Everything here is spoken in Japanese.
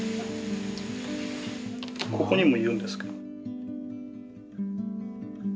ここにもいるんですけど。